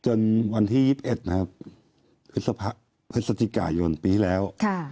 จนวันที่๒๑ฮัศจิกายนปีที่แล้ว